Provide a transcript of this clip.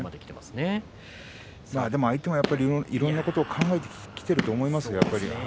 ただ相手もいろいろなことを考えてきていると思いますよ。